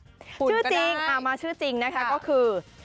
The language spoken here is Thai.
ชื่อจริงมาชื่อจริงนะคะก็คือ